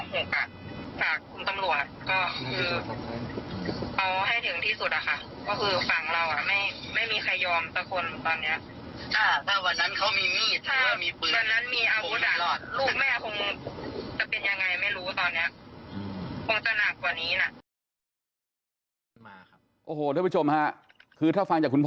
ฝากคุณตำรวจก็คือเขาให้ถึงที่สุดอ่ะค่ะ